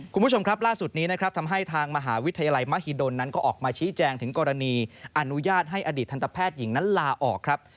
คุณผู้ชมครับล่าสุดนี้นะครับทำให้ทางมหาวิทยาลัยมหิดลนั้นก็ออกมาชี้แจงถึงกรณีอนุญาตให้อดีตทันตแพทย์หญิงนั้นลาออกครับ